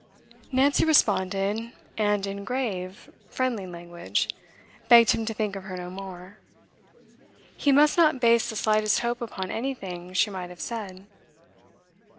Nancy responded, and in grave, friendly language, begged him to think of her no more; he must not base the slightest hope upon anything she might have said.